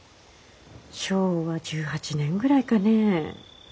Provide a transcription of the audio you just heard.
昭和１８年ぐらいかね。